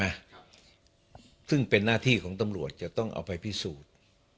ครับซึ่งเป็นหน้าที่ของตำรวจจะต้องเอาไปพิสูจน์